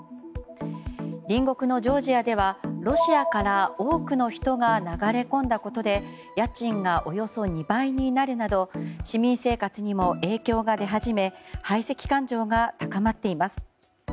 隣国のジョージアではロシアから多くの人が流れ込んだことで家賃がおよそ２倍になるなど市民生活にも影響が出始め排斥感情が高まっています。